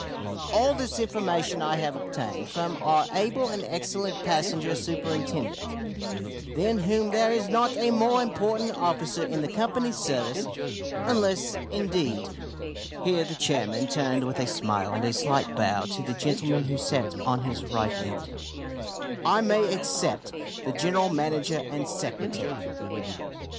"All this information I have obtained from our able and excellent passenger superintendent, than whom there is not a more important officer in the Company's service, unless, indeed," (here the chairman turned with a smile and a slight bow to the gentlemen who sat on his right hand) "I may except the general manager and secretary.